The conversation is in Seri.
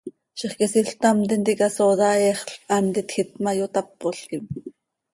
Zixquisiil ctam tintica sooda eexl quih hant itjiit ma, yotápolquim.